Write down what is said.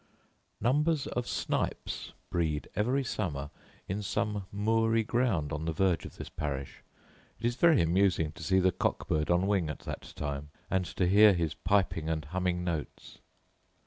Numbers of snipes breed every summer in some moory ground on the verge of this parish. It is very amusing to see the cock bird on wing at that time, and to hear his piping and humming notes.